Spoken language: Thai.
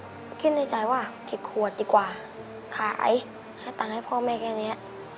ก็คิดในใจว่าเก็บขวดดีกว่าขายให้ตังค์ให้พ่อแม่แค่เนี้ย